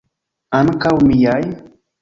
Ankaŭ miaj?